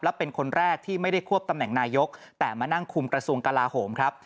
และเป็นคนแรกที่ไม่ได้ควบตำแหน่งนายกแต่มานั่งคุมกระทรวงกลาโหมครับ